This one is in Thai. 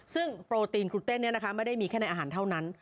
ซึ่งโปรตีนครูเต้นไม่ได้มีแค่ในอาหารเท่านั้น